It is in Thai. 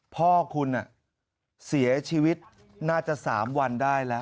พ่อคุณเสียชีวิตน่าจะ๓วันได้แล้ว